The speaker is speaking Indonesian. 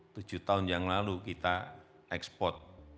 tujuh tahun yang lalu kita ekspor